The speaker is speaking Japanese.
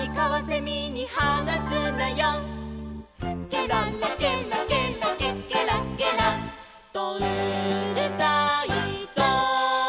「ケララケラケラケケラケラとうるさいぞ」